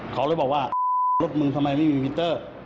เขาเลยบอกว่ารถมึงทำไมไม่มีมิเตอร์